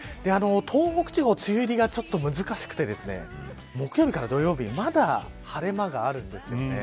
東北地方梅雨入りがちょっと難しくて木曜日から土曜日まだ晴れ間があるんですね。